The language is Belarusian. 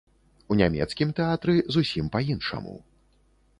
У нямецкім тэатры зусім па-іншаму.